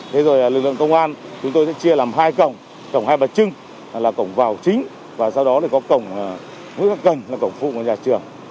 thế rồi lực lượng công an chúng tôi sẽ chia làm hai cổng cổng hai bật chưng là cổng vào chính và sau đó có cổng hướng các cành là cổng phụ của nhà trường